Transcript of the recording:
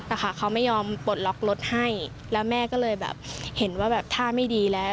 เขาไม่ยอมปลดล็อกรถให้แล้วแม่ก็เลยแบบเห็นว่าแบบท่าไม่ดีแล้ว